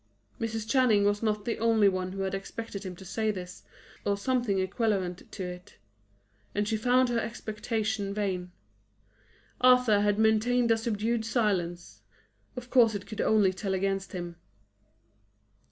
Mrs. Channing was not the only one who had expected him to say this, or something equivalent to it; and she found her expectation vain. Arthur had maintained a studied silence; of course it could only tell against him.